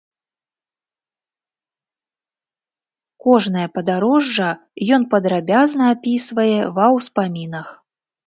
Кожнае падарожжа ён падрабязна апісвае ва ўспамінах.